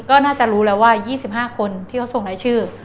ก็น่าจะรู้แล้วว่า๒๕คนที่เขาส่งรายชื่อ